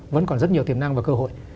vẫn còn rất nhiều tiềm năng và cơ hội